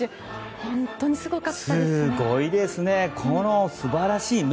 本当にすごかったですね。